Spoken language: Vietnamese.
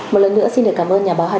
một lần nữa xin được cảm ơn nhà báo hà